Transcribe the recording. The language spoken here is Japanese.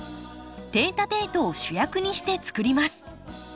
テイタテイトを主役にして作ります。